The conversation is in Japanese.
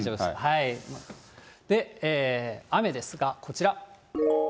で、雨ですが、こちら。